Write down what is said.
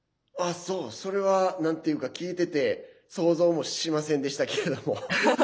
それは、なんていうか聞いてて想像もしませんでしたけれども。